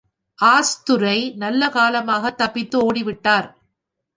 ஆஷ்துரை நல்லகாலமாகத் தப்பித்து ஓடிவிட்டார்.